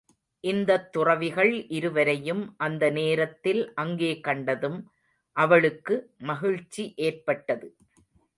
இந்தத் துறவிகள் இருவரையும் அந்த நேரத்தில் அங்கே கண்டதும், அவளுக்கு மகிழ்ச்சி ஏற்பட்டது.